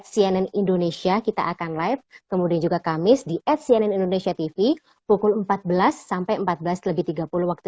cnn indonesia kita akan live kemudian juga kamis di at cnn indonesia tv pukul empat belas sampai empat belas lebih tiga puluh waktu